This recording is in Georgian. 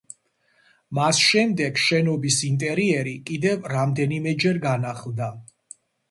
მას შემდეგ შენობის ინტერიერი კიდევ რამდენიმეჯერ განახლდა.